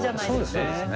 そうですね。